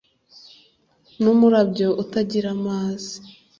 n’umurabyo utagira amazi,